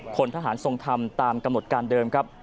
พลทหารทรงธรรมตามกำหนดการเดิมครับ